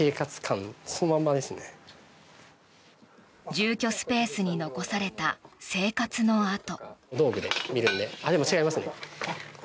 住居スペースに残された生活の跡。